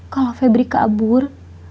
kalau febri kabur